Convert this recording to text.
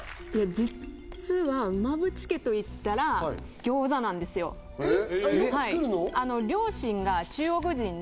実は馬淵家といったら餃子なんですよえっ